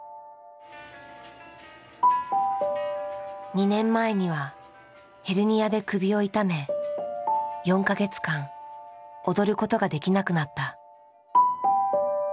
２年前にはヘルニアで首を痛め４か月間踊ることができなくなった。